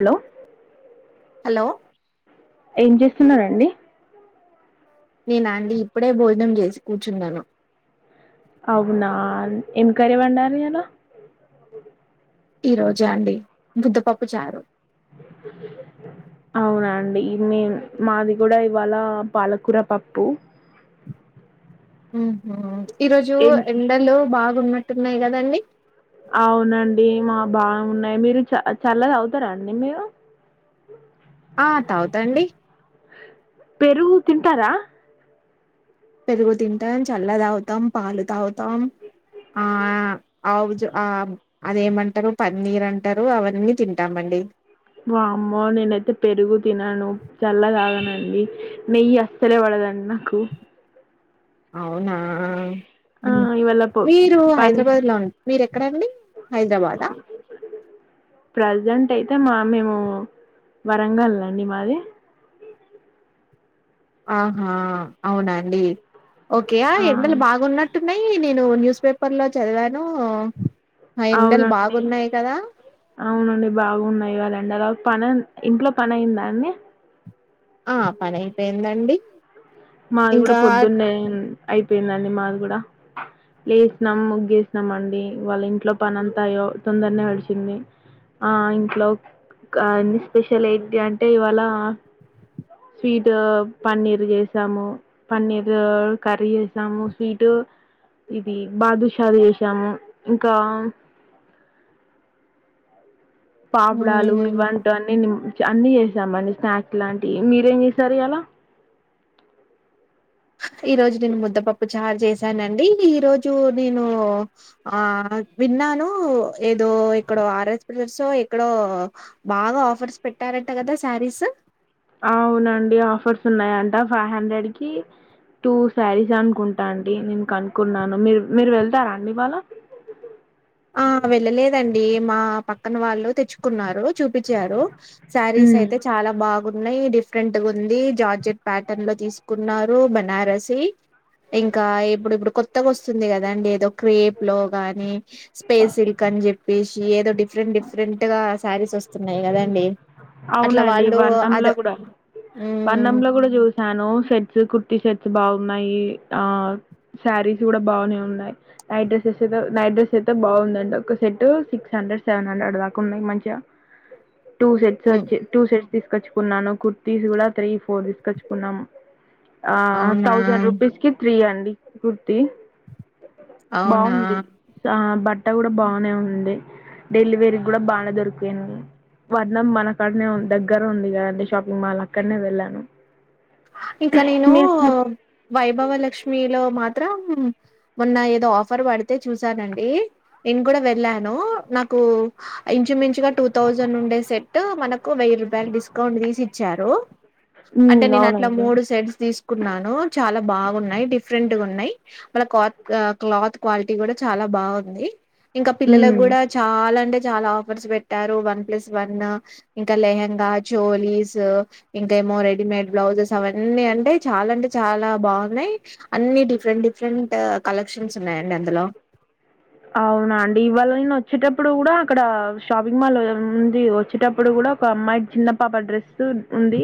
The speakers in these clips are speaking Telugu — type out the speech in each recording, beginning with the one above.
హలో హలో ఏం చేస్తున్నారండి నేనా అండి ఇప్పుడే భోజనం చేసి కూర్చున్నాను అవునా ఇంకా ఎవరున్నారు ఈయల ఈ రోజా అండి ముద్దపప్పు చారు అవునండి మే మాది కూడా ఇవాళ పాలకూర పప్పు ఉహుమ్ ఈ రోజు ఏం ఎండలో బాగున్నయ్ టున్నాయి కదండి అవునండి మా బాగున్నాయి మీరు చ చల్ల తాగుతారాండి మీరు ఆ తాగుతా అండి పెరుగు తింటారా పెరుగు తింటాం చెల్లాయి తాగుతాం పాలు తాగుతాం ఆ ఆవుజు ఆ అదేమంటారు పన్నీర్ అంటారు అవన్నీ తింటామండి వామ్మో నేనైతే పెరుగు తినను చల్లగ తాగానండి నెయ్యి అసలే పడదండి నాకు అవు అవునా ఆ ఉమ్ ఇవాళ పో మీరు పని హైదరాబాద్ లో మీరు ఎక్కడండి హైదరాబాద్ ఆ ప్రజెంట్ అయితే మా అమ్మ ఏం వరంగల్ అండి మాది ఆహా అవునండి ఓకే ఆ ఎండలు బాగున్నట్టున్నాయి నేను న్యూస్ పేపర్ లో చదివాను ఆ ఎండలు అవునండి బాగున్నాయి కదా అవునండి బాగున్నాయి కదండి అలా పన ఇంట్లో పని అయిందా అండి ఆ పని అయిపోయిందండి మాది కూడా ఇంకా పొద్దున్నే అయి పోయిందండి మాది కూడా లేసినాం ముగ్గేసినాం అండి వాళ్ళ ఇంట్లో పని అంతా అయ్యో తొందరనే గడిచిది ఆ ఇంట్లో ఆ స్పెషల్ ఏంటి అంటే ఇవాళ స్వీట్ పన్నీర్ చేసాము పన్నీర్ కర్రీ చేసాము స్వీటు ఇది బాదుషాలు చేసాము ఇంకా పాపుడలు మ్మ్ ఇవ్వంటి నిమ్ అన్నీ చేసాంమండి స్నాక్స్ లాంటివి మీరేం చేశారు ఇయ్యాల ఈ రోజు నేను ముద్దపప్పు చార్ చేసిన సరే అండి ఈరోజు నేను ఆ విన్నాను ఏదో ఇక్కడో ఆర్ఎస్ బ్రెజర్స్ ఎక్కడో బాగా ఆఫర్స్ పెట్టారంట కదా సరీస్ అవునండి ఆఫర్స్ ఉన్నాయంట ఫైవ్ హండ్రెడ్ కి టూ సరీస్ అనుకుంటా అండి నేను కనుక్కున్నాను మీరు మీరు వెళ్తారా అండి ఇవాళ ఆ వెళ్ళలేదండి మా పక్కన వాళ్ళు తెచ్చుకున్నారు చూపించారు సరీస్ హ్మ్. అయితే చాలా బాగు న్నాయి డిఫరెంట్ ఉంది జార్జెట్ ప్యాటర్న్ లో తీసుకున్నారు బనారస్ ఈ ఇంకా ఇప్పుడు ఇప్పుడు కొత్తగా వస్తుంది కదాండి ఏదో క్రేప్ లో గాని పెసిల్క్ అని చెప్పేసి ఏదో డిఫ రెట్ డిఫరెంట్ గా శారీస్ వస్తున్నాయి కదండి అట్లా అవునండి వాళ్ళు అద వర్ణంలో కూడా మ్మ్ వర్ణంలో కూడా చూసాను సెట్స్ కుర్తి సెట్స్ బాగున్నాయి ఆ సరీస్ కూడా బాగానే ఉన్నాయి నైట్ డ్రెసెస్ అయితే నైట్ డ్రెస్సెస్ అయితే బాగుందండి ఒక set six hundred seven hundred దాకా ఉన్నాయి మంచిగా అ టూ సెట్స్ మ్మ్ వచ్చి టూ సెట్స్ తీసుకొచ్చుకున్నాను కుర్తీస్ కూడా త్రీ ఫోర్ తీసుకొచ్చుకున్నాం ఆ అవునా తౌసెండ్ రూపీస్ కి త్రి అండి కుర్తి అవునా బాగుంది ఆ బట్ట కూడా బానే ఉంది డెలివరీ కూడా బాగా దొరికింది వర్ణం మన కాడనే ఉంది దగ్గర ఉంది కదండి షాపింగ్ మాల్ అక్కడనే వెళ్ళాను ఇంకా నేను మీరు షాప్ వైభవ లక్ష్మిలో మాత్ర మాత్రం మొన్న ఏదో ఆఫర్ పడితే చూసానండి నేను కూడా వెళ్ళాను నాకు ఇంచుమించుగా టూ తౌసెండ్ నుండి డే సెట్ మన కు వెయ్యి రూపాయ డిస్కౌంట్ తీచ్చారు అంటే హ్మ్ నేను ఇట్లా అవునండి. మూడు సెట్స్ తీసు న్నాను చాలా బాగున్నాయి డిఫరెంట్ గా ఉన్నాయి మళ్ళ కాత్ క్లాత్ క్వాలిటీ కూడా చాలా బాగుంది ఇంకా పిల్లలకు హ్మ్ కూడా చాలా అంటే చాలా ఆఫర్స్ పెట్టారు వన్ ప్లస్ వన్ ఇంకా లెహెంగా చోలీస్ ఇంకేమో రెడీ మేడ్ బ్లౌజెస్ అవన్నీ అంటే చాలా అంటే చాలా బాగున్నాయి అన్ని డిఫరెంట్ డిఫరెంట్ కలెక్షన్స్ ఉన్నాయండి అందులో అవునా అండి ఇవాళ నేను వచ్చేటప్పుడు కూడా అక్కడ షాపింగ్ మాల్ ఉంది వచ్చేటప్పుడు కూడా ఒక అమ్మాయి చిన్న పాప డ్రెస్ ఉంది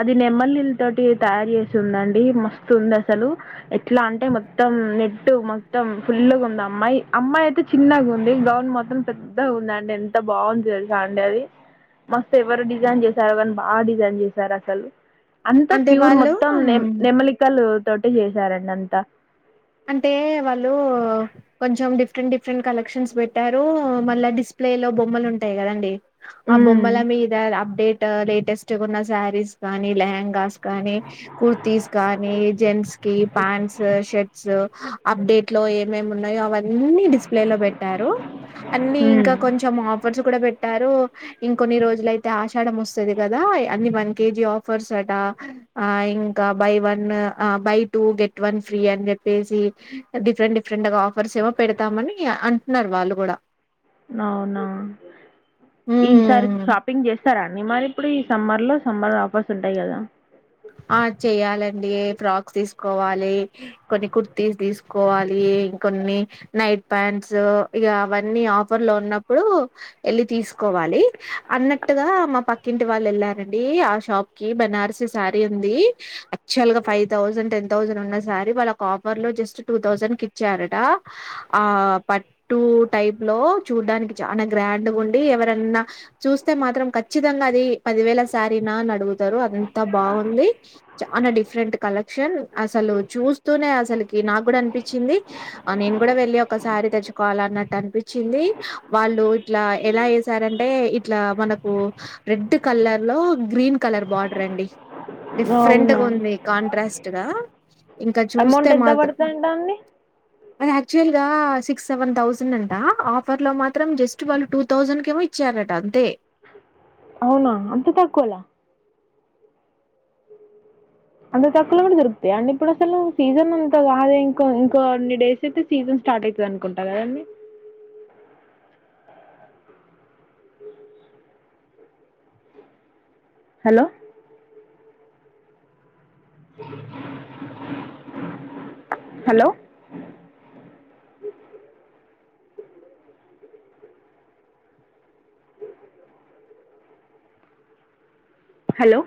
అది నెమలీల తోటి తయారు చేసి ఉందండి మస్తు ఉంది అసలు ఎట్లా అంటే మొత్తం నెట్టు మొత్తం ఫుల్గా ఉంది అమ్మాయి అమ్మాయి అయితే చిన్నగా ఉంది గౌన్ మొత్రం పెద్దగా ఉందండి ఎంత బాగుంది తెలుసా అండి అది మస్తు ఎవరు డిజైన్ చేశారో కానీ బాగా డిజైన్ చేశారు అసలు అంతా అంటే ప్యూర్ మొత్తం వాళ్ళు న నెమ్మలికలు తోటి చేసారండి అంతా అంటే వాళ్ళు కొంచెం డిఫరెంట్ డిఫరెంట్ కలెక్షన్స్ పెట్టారు మళ్ళా డిస్ప్లేలో బొమ్మలు ఉంటాయి కదండి ఆ బొమ్మల హ్మ్. మీ ఇద అప్డేట్ లేటెస్ట్గాన్న శారీస్ గానీ లహెంగాస్ కానీ కుర్తస్ కానీ జెంట్స్ కి ప్యాంట్స్ షర్ట్ అప్డేట్ లో ఏమే ఉన్నాయో అవన్నీ డిస్ప్లే లో పెట్టారు అన్ని ఇంకా హ్మ్. కొంచెం ఆఫర్స్ కూడా పెట్టారు ఇంకొన్ని రోజులయితే ఆషాఢ వస్తుది కదా అన్ని వన్ కేజీ ఆఫర్స్ అట ఆ ఇంకా buy one buy two get one free అని చెప్ప వేసి డిఫరెంట్ డిఫరెంట్గా ఆఫర్స్ ఏమో పెడతామని అంటున్నారు వాళ్ళు కూడా అవునా ఈసారి ఉమ్ షాపింగ్ చేస్తారా అడి మరి ఇప్పుడు ఈ సంబ లో సంబద ఆపస్ ఉంటాయి కదా ఆ చెయ్యాలండి ఫ్రాక్స్ తీసుకోవాలి కొ కుర్తీస్ తీసు వాలి ఇంకన్ని నైట్ ప్యాంట్స్ ఇ అవన్నీ ఆఫర్ లో ఉన్నప్పుడు వెళ్ళి తీసుకోవాలి అన్నట్టుగా మా పక్కింటి వాళ్ళు వెళ్ళారండి ఆ షాప్ కి బనార్సు శారీ ఉంది ఫవ్సండ్ టె సం ఉన్న సారీ వాళ్ళఫర్ లో జస్ట్ టూ సండ్ ఇచ్చారట ఆ పట్టు టైప్ లో చూడ్డానికి చ గండ్ ఉండి ఎవర చూస్తే మాత్రం కచ్చితంగా అది పది వేల సారీనా అని అడుగుతారు బాగుంది చాలా డిఫరెంట్ కలెక్షన్ అసలు చూస్తూనే అసలుకి నాకు కూడా అనిపించింది ఆ నేను కూడా వెళ్లి ఒకసారి తెచ్చుకోవాల అన్నట్టు అనిపించింది వాళ్ళు ఇట్లా ఎలా వసారంటే ఇట్లా మనకు రెడ్ కలర్ లో గ్రీన్ కలర్ బార్డర్ అండి అవునా డిఫరెంట్గా ఉంది కాంట్రాస్ట్ గా ఇంకా చూస్తే అమౌంట్ ఎంత మాత్రం పడుతుందంట అండి అది యాక్చువల్గా సిక్స్ సెవెన్ థౌజండ్ అంట ఆఫర్లో మాత్రం జస్ట్ వాళ్ళు టూ థౌజండ్కి ఏమో ఇచ్చారట అంతే అవునా అంత తకువలా అంత తక్కువలో కూడా దొరుకుతాయి అండి ఇప్పుడు అసలు సీజన్ ఉంత అదే ఇంకో ఇంకో అన్ని డేస్ అయితే సీజన్ స్టార్ట్ అవుతుంది అనుకుంటారు కద హలో హలో హలో